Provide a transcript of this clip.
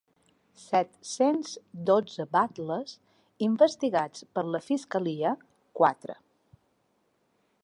Set-cents dotze batlles investigats per la fiscalia; quatre.